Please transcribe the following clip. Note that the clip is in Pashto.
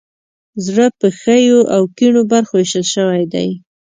زړه په ښیو او کیڼو برخو ویشل شوی دی.